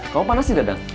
kamu apaan sih dadang